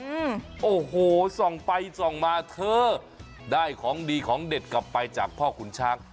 อืมโอ้โหส่องไปส่องมาเธอได้ของดีของเด็ดกลับไปจากพ่อขุนช้าง